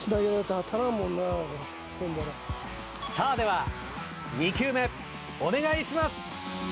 では２球目お願いします。